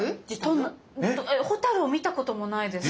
蛍⁉蛍を見たこともないですし。